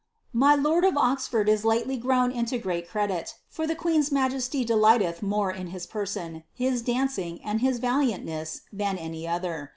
My lord of Oxford is lately grown into great credit, for the queen's majesty delighteth more in his person, his danc ing, and his valiantness, than any other.